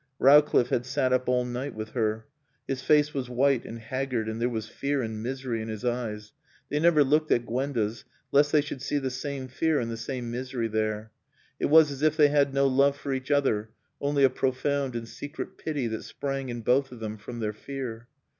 Rowcliffe had sat up all night with her. His face was white and haggard and there was fear and misery in his eyes. They never looked at Gwenda's lest they should see the same fear and the same misery there. It was as if they had no love for each other, only a profound and secret pity that sprang in both of them from their fear.